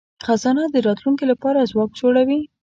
خزانه د راتلونکي لپاره ځواک جوړوي.